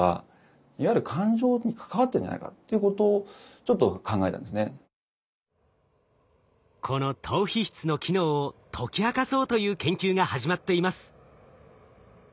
そうするとこの島皮質の機能を解き明かそうという研究が始まっています。